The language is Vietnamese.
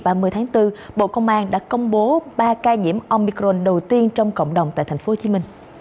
ngày ba mươi tháng bốn bộ công an đã công bố ba ca nhiễm omicron đầu tiên trong cộng đồng tại tp hcm